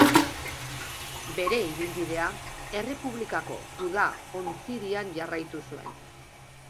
Bere ibilbidea Errepublikako guda-ontzidian jarraitu zuen.